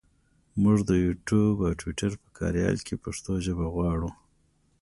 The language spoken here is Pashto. مونږ د یوټوپ او ټویټر په کاریال کې پښتو ژبه غواړو.